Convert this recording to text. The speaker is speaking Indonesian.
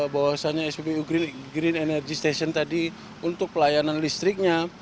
bahwasannya spbu green energy station tadi untuk pelayanan listriknya